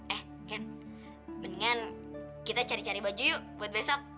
eh ken mendingan kita cari cari baju yuk buat besok